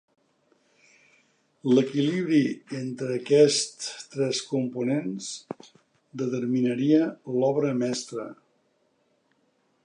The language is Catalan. L'equilibri entre aquests tres components determinaria l'obra mestra.